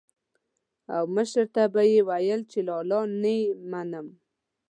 او مشر ته به یې ويل چې لالا نه يې منم.